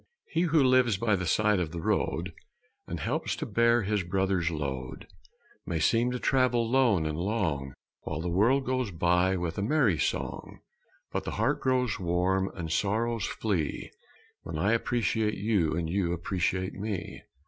He who lives by the side of the road And helps to bear his brother's load May seem to travel lone and long While the world goes by with a merry song, But the heart grows warm and sorrows flee When I appreciate you and you appreciate me.